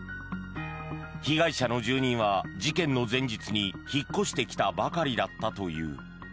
被害者の住人は事件の前日に引っ越してきたばかりだったという。